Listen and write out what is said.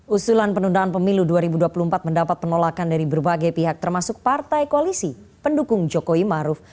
usulan penundaan pemilu dua ribu dua puluh empat mendapat penolakan dari berbagai pihak termasuk partai koalisi pendukung jokowi maruf